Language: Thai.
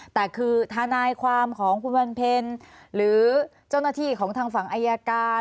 แต่คือทนายความของคุณวันเพ็ญหรือเจ้าหน้าที่ของทางฝั่งอายการ